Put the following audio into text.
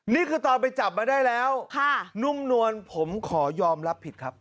นี่คือตอนไปจับมาได้แล้วนุ่มนวลผมขอยอมรับผิดครับ